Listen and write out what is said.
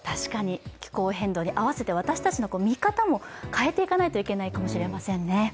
気候変動に合わせて私たちの見方も変えていかないといけないかもしれませんね。